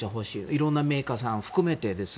色んなメーカーさんを含めて。